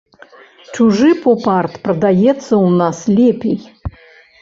Чужы поп-арт прадаецца ў нас лепей.